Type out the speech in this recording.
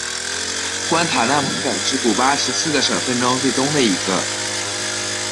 关塔那摩省是古巴十四个省份中最东的一个。